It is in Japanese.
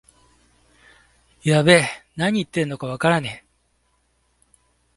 やべえ、なに言ってんのかわからねえ